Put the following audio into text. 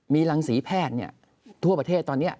มีรังศรีแพทย์ทั่วประเทศตอนนี้